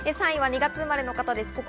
３位は２月生まれの方です。